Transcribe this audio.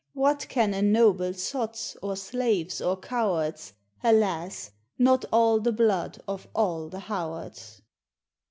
What can ennoble sots, or slaves, or cowards ? Alas ! not all the blood of all the Howards.